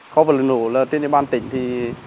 kho vật liệu nổ là trên địa bàn tỉnh thì